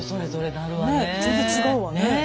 ねえ全然違うわね。